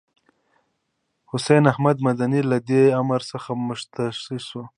حسين احمد مدني له دې امر څخه مستثنی دی.